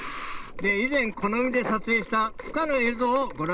以前、この海で撮影したふ化の映